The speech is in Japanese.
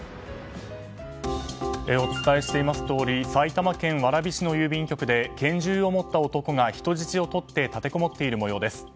お伝えしていますとおり埼玉県蕨市の郵便局で拳銃を持った男が人質をとって立てこもっている模様です。